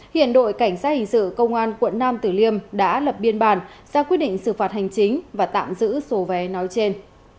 hiện đội cảnh sát hình sự công an quận nam tử liêm đã lập biên bản ra quyết định xử phạt hành chính và tạm giữ số vé nói trên